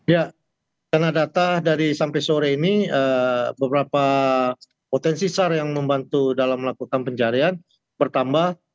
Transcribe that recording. ya karena data dari sampai sore ini beberapa potensi sar yang membantu dalam melakukan pencarian bertambah